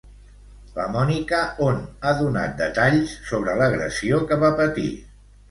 La Mònica on ha donat detalls sobre l'agressió que va patir?